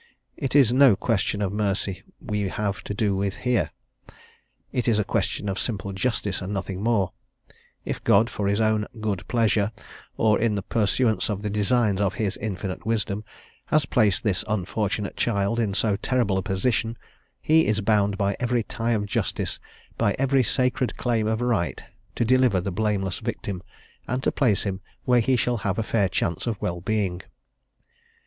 It is no question of mercy we have to do with here; it is a question of simple justice, and nothing more; if God, for his own "good pleasure," or in the pursuance of the designs of his infinite wisdom, has placed this unfortunate child in so terrible a position, he is bound by every tie of justice, by every sacred claim of right, to deliver the blameless victim, and to place him where he shall have a fair chance of well being.